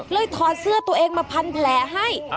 เลยทอดเสื้อตัวเองมาพลาด